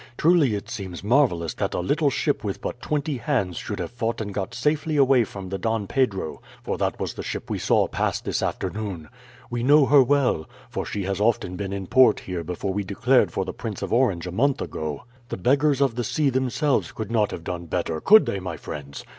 "Truly it seems marvellous that a little ship with but twenty hands should have fought and got safely away from the Don Pedro, for that was the ship we saw pass this afternoon. We know her well, for she has often been in port here before we declared for the Prince of Orange a month ago. The beggars of the sea themselves could not have done better, could they, my friends?